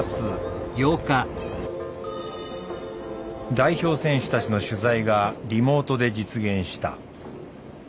代表選手たちの取材がリモートで実現した。